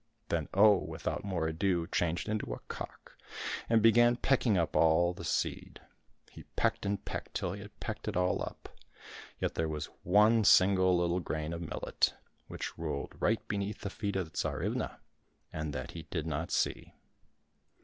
Then Oh, without more ado, changed into a cock, and began pecking up all the seed. He pecked and pecked till he had pecked it all up. Yet there was one single little grain of millet which rolled right beneath the feet of the Tsarivna, and that he did not see.